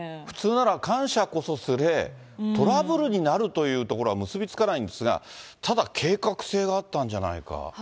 普通なら、感謝こそすれ、トラブルになるところは結び付かないんですが、ただ計画性があったんじゃないか。